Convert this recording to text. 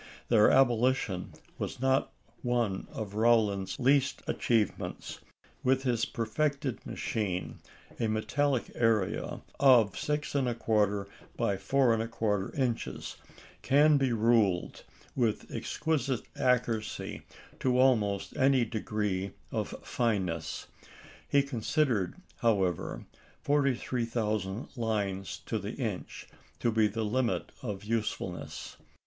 Their abolition was not one of Rowland's least achievements. With his perfected machine a metallic area of 6 1/4 by 4 1/4 inches can be ruled with exquisite accuracy to almost any degree of fineness; he considered, however, 43,000 lines to the inch to be the limit of usefulness.